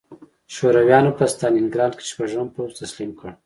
شورویانو په ستالینګراډ کې شپږم پوځ تسلیم کړ